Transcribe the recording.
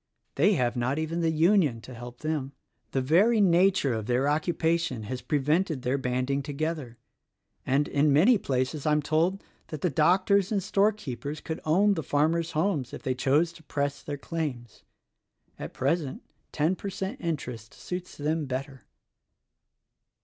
They have not even the Union to help them. The very nature of their occupation has always prevented their banding together, and, in many places, I am told that the doctors and storekeepers could own the small farmer's homes if they chose to press their claims. At present ten per cent interest suits them better."